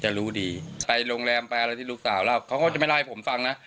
รู้ดีไปโรงแรมไปอะไรที่ลูกสาวเล่าเขาก็จะไม่เล่าให้ผมฟังนะ